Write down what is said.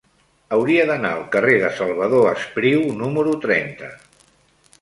Hauria d'anar al carrer de Salvador Espriu número trenta.